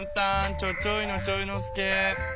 ちょちょいのちょいのすけ。